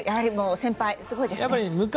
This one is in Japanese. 先輩すごいですね。